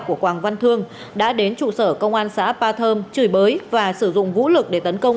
của quảng văn thương đã đến trụ sở công an xã ba thơm chửi bới và sử dụng vũ lực để tấn công